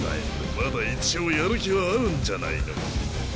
まだ一応やる気はあるんじゃないの。